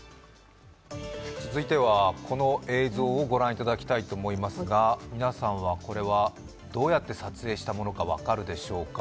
続いてはこの映像をご覧いただきたいと思いますが皆さんはこれはどうやって撮影したものか分かるでしょうか？